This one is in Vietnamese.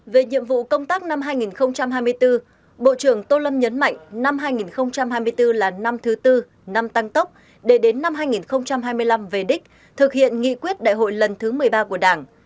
về nhiệm vụ công tác năm hai nghìn hai mươi bốn bộ trưởng tô lâm nhấn mạnh năm hai nghìn hai mươi bốn là năm thứ tư năm tăng tốc để đến năm hai nghìn hai mươi năm về đích thực hiện nghị quyết đại hội lần thứ một mươi ba của đảng